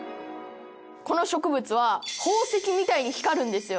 この植物は宝石みたいに光るんですよ。